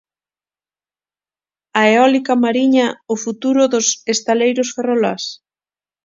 A eólica mariña, o futuro dos estaleiros ferroláns?